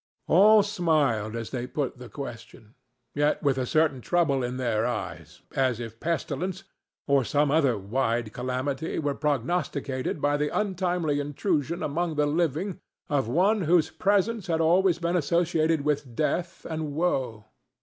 All smiled as they put the question, yet with a certain trouble in their eyes, as if pestilence, or some other wide calamity, were prognosticated by the untimely intrusion among the living of one whose presence had always been associated with death and woe.